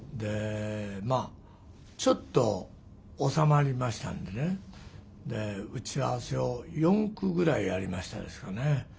まあちょっと収まりましたんでね打ち合わせを４区ぐらいやりましたですかね。